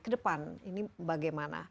ke depan ini bagaimana